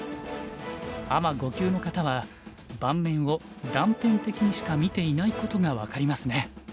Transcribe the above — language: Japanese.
アマ５級の方は盤面を断片的にしか見ていないことが分かりますね。